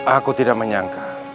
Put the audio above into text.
aku tidak menyangka